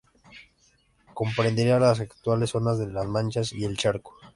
Comprendería las actuales zonas de Las Manchas y El Charco.